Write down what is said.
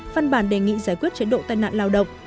phân bản đề nghị giải quyết chế độ tai nạn lao động